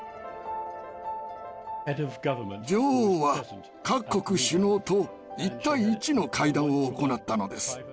女王は各国首脳と１対１の会談を行ったのです。